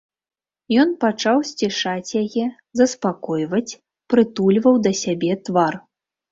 Ён пачаў сцішаць яе, заспакойваць, прытульваў да сябе твар.